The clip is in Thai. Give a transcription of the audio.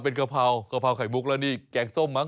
เป็นกะเพรากะเพราไข่มุกแล้วนี่แกงส้มมั้